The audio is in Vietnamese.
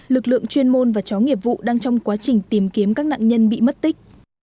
lực lượng chuyên môn và chó nghiệp vụ đang trong quá trình tìm kiếm các nạn nhân bị mất tích